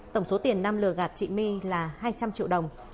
tổng số tiền nam lừa gạt chị my là hai trăm linh triệu đồng